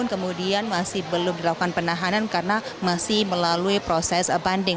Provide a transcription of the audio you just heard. dan kemudian masih belum dilakukan penahanan karena masih melalui proses banding